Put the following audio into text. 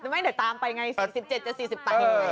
ไม่เดี๋ยวตามไปไงสิบเจ็ดจะสี่สิบไป